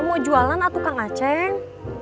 mau jualan atau kagaceng